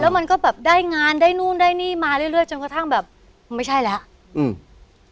มันก็แบบได้งานได้นู่นได้นี่มาเรื่อยเรื่อยจนกระทั่งแบบไม่ใช่แล้วอืม